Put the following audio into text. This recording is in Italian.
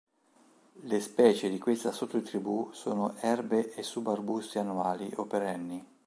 Le specie di questa sottotribù sono erbe e sub-arbusti annuali o perenni.